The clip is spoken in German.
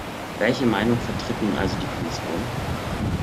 Welche Meinung vertritt nun also die Kommission?